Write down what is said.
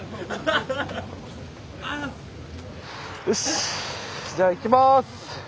よしじゃあいきます！